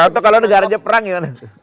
atau kalau negaranya perang gimana